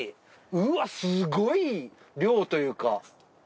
うわすごい量というか。